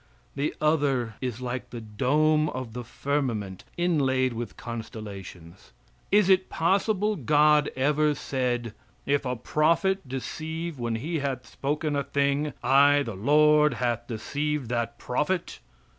The other is like the dome of the firmament, inlaid with constellations. Is it possible God ever said: "If a prophet deceive when he hath spoken a thing, I, the Lord, hath deceived that prophet?"